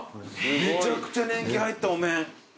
めちゃくちゃ年季入ったお面。